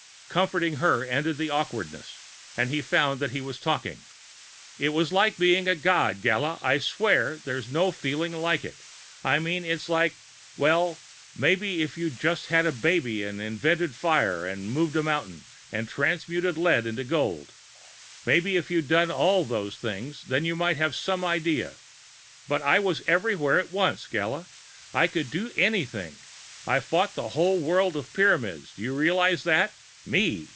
Comforting her ended the awkwardness and he found that he was talking: "It was like being a god, Gala! I swear, there's no feeling like it. I mean it's like well, maybe if you'd just had a baby, and invented fire, and moved a mountain, and transmuted lead into gold maybe if you'd done all of those things, then you might have some idea. But I was everywhere at once, Gala, and I could do anything! I fought a whole world of Pyramids, do you realize that? Me!